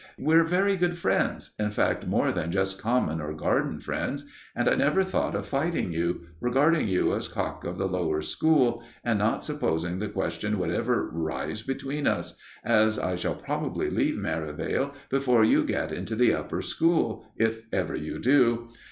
"We're very good friends in fact more than just common or garden friends and I never thought of fighting you, regarding you as cock of the Lower School and not supposing the question would ever arise between us, as I shall probably leave Merivale before you get into the Upper School if ever you do.